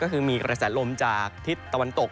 ก็คือมีกระแสลมลมจากอนุปรักษณ์ทิศตะวันตก